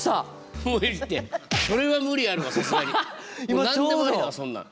もう何でもありだわそんなん。